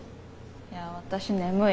いや私眠い。